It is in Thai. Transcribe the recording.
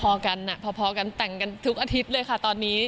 พอกันพอกันแต่งกันทุกอาทิตย์เลยค่ะตอนนี้